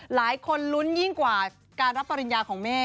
หลายคนลุ้นยิ่งกว่าการรับปริญญาของแม่